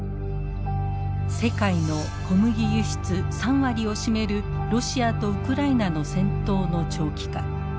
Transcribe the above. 世界の小麦輸出３割を占めるロシアとウクライナの戦闘の長期化。